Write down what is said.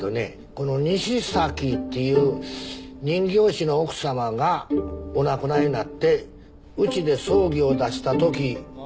この西崎っていう人形師の奥さまがお亡くなりになってうちで葬儀を出したとき。